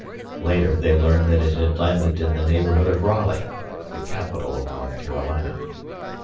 Later, they learned that it had landed in the neighborhood of Raleigh, the capital of North Carolina.